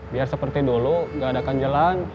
biar seperti dulu nggak ada kanjalan